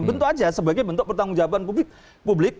bentuk aja sebagai bentuk pertanggung jawaban publik